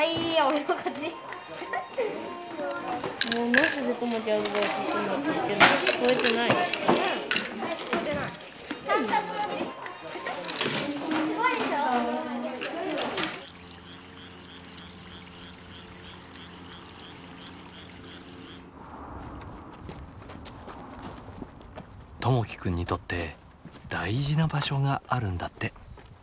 友輝くんにとって大事な場所があるんだって。